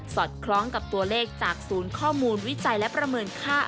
อดคล้องกับตัวเลขจากศูนย์ข้อมูลวิจัยและประเมินค่า